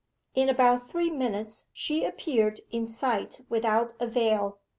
In about three minutes she appeared in sight without a veil.